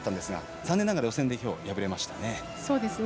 残念ながら、予選できょう敗れましたね。